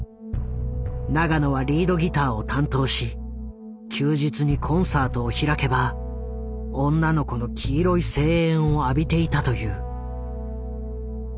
永野はリードギターを担当し休日にコンサートを開けば女の子の黄色い声援を浴びていたという。